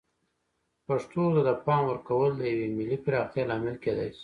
پښتو ته د پام ورکول د یوې ملي پراختیا لامل کیدای شي.